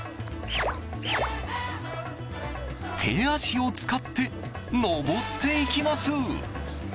手足を使って登っていきます。